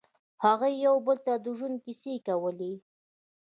هغوی یو بل ته د ژوند کیسې کولې.